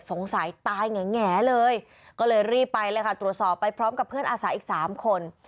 สงสัยตายแง่เลยก็เลยรีบไปเลยค่ะตรวจสอบไปพร้อมกับเพื่อนอาสาอีกสามคน